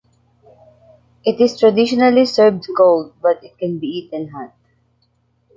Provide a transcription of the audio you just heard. It is traditionally served cold but it can be eaten hot.